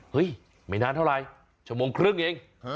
ไม่นานเท่าไรชั่วโมงครึ่งเอง